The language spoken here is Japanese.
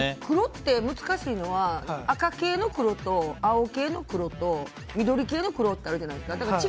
黒って難しいのは赤系の黒と青系の黒と緑系の黒ってあるじゃないですか。